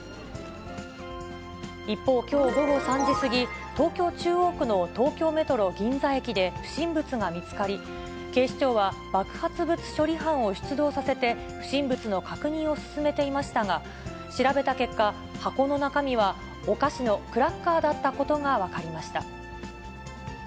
一方、きょう午後３時過ぎ、東京・中央区の東京メトロ銀座駅で不審物が見つかり、警視庁は爆発物処理班を出動させて、不審物の確認を進めていましたが、調べた結果、箱の中身はお菓子のクラッカーだったことが分かりました。